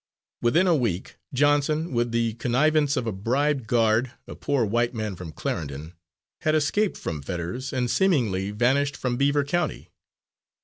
Within a week, Johnson, with the connivance of a bribed guard, a poor white man from Clarendon, had escaped from Fetters and seemingly vanished from Beaver County.